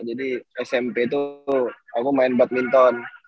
jadi smp tuh aku main badminton